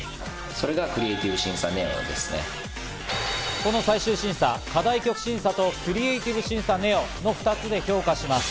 この最終審査、課題曲審査とクリエイティブ審査ＮＥＯの２つで評価します。